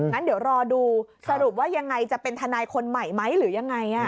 งั้นเดี๋ยวรอดูสรุปว่ายังไงจะเป็นทนายคนใหม่ไหมหรือยังไง